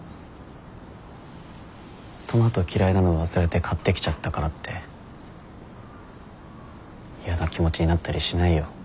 トマト嫌いなの忘れて買ってきちゃったからって嫌な気持ちになったりしないよ